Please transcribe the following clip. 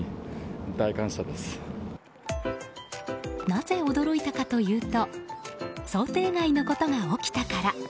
なぜ驚いたかというと想定外のことが起きたから。